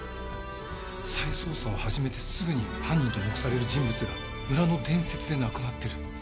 再捜査を始めてすぐに犯人と目される人物が村の伝説で亡くなってる。